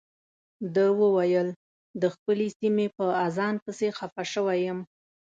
ده وویل د خپلې سیمې په اذان پسې خپه شوی یم.